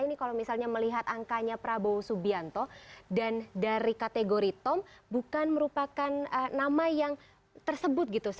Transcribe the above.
ini kalau misalnya melihat angkanya prabowo subianto dan dari kategori tom bukan merupakan nama yang tersebut gitu